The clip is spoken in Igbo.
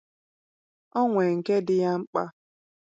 O nwee nke dị ya mkpa